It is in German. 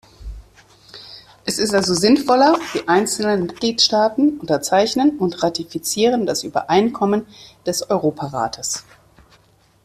Es ist also sinnvoller, die einzelnen Mitgliedstaaten unterzeichnen und ratifizieren das Übereinkommen des Europarates.